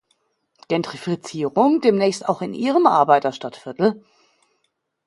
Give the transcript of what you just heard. Gentrifizierung demnächst auch in Ihrem Arbeiter-Stadtviertel.